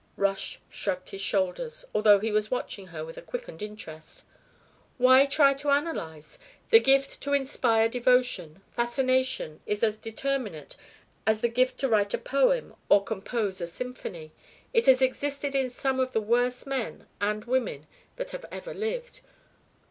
Rush shrugged his shoulders, although he was watching her with a quickened interest. "Why try to analyse? The gift to inspire devotion fascination is as determinate as the gift to write a poem or compose a symphony. It has existed in some of the worst men and women that have ever lived.